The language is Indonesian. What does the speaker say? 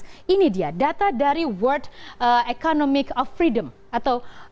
lalu kita bergeser lagi bagaimana negara pecahan uni soviet dan juga eropa timur yang terafiliasi dengan komunis